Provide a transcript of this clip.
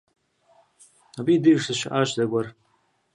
Абы и деж дыщыӏащ зэгуэр.